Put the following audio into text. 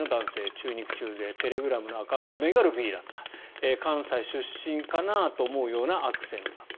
中肉中背テレグラムのアカウント名がルフィだった関西出身かなというようなアクセントだった。